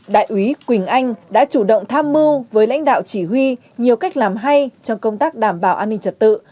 đại úy quỳnh anh đã chủ động tham mưu với lãnh đạo chỉ huy nhiều cách làm hay trong công tác đảm bảo an ninh trật tự